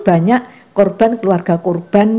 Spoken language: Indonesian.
banyak korban keluarga korban